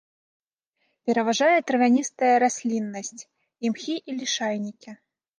Пераважае травяністая расліннасць, імхі і лішайнікі.